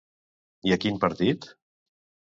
I a quin partit?